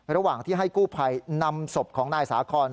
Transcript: ระหว่างที่ให้กู้ภัยนำศพของนายสาคอน